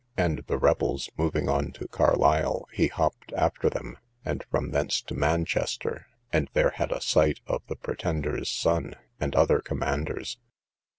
and the rebels moving on to Carlisle, he hopped after them, and from thence to Manchester, and there had a sight of the Pretender's son, and other commanders.